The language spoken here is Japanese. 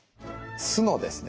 酢のですね